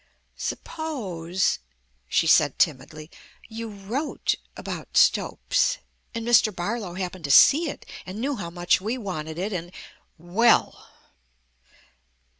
"Suppose," she said timidly, "you wrote about Stopes, and Mr. Barlow happened to see it, and knew how much we wanted it, and " "Well!"